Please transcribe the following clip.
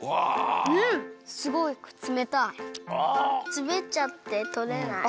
すべっちゃってとれない。